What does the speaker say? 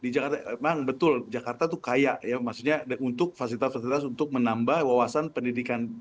di jakarta memang betul jakarta tuh kaya ya maksudnya untuk fasilitas fasilitas untuk menambah wawasan pendidikan